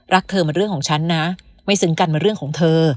เธอมันเรื่องของฉันนะไม่ซึ้งกันมันเรื่องของเธอ